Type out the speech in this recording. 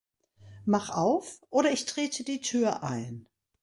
Mach auf oder ich trete die Tür ein!